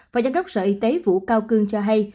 và giám đốc sở y tế vũ cao cương cho hay